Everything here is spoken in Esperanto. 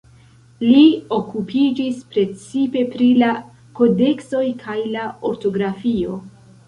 Li okupiĝis precipe pri la kodeksoj kaj la ortografio.